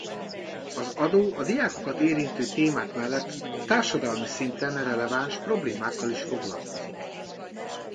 Az adó a diákokat érintő témák mellett társadalmi szinten releváns problémákkal is foglalkozik.